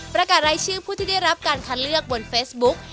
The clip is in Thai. ประกาศรายชื่อผู้ที่ได้รับการคัดเลือกบนเฟซบุ๊ก